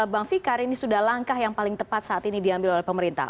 bang fikar ini sudah langkah yang paling tepat saat ini diambil oleh pemerintah